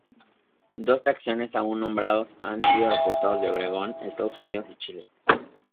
Dos taxones aún no nombrados han sido reportados de Oregón, Estados Unidos, y Chile.